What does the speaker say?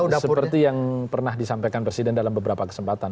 ya seperti yang pernah disampaikan presiden dalam beberapa kesempatan